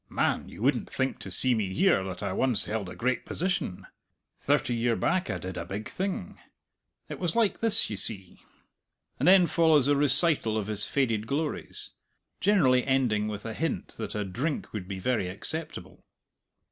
"Man, you wouldn't think to see me here that I once held a great position. Thirty year back I did a big thing. It was like this, ye see." And then follows a recital of his faded glories generally ending with a hint that a drink would be very acceptable.